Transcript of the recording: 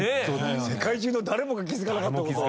世界中の誰もが気づかなかった事。